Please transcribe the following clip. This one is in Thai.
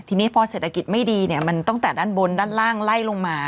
ทีนี้พอเศรษฐกิจไม่ดีเนี่ยมันตั้งแต่ด้านบนด้านล่างไล่ลงมา